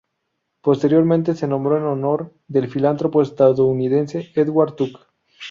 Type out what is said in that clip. Posteriormente, se nombró en honor del filántropo estadounidense Edward Tuck.